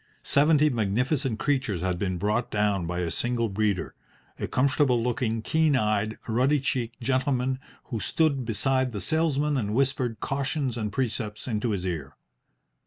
Seventy magnificent creatures had been brought down by a single breeder, a comfortable looking, keen eyed, ruddy cheeked gentleman who stood beside the sales man and whispered cautions and precepts into his ear.